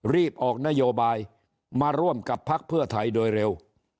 รีบออกนโยบายมาร่วมกับพักเพื่อไทยโดยเร็ว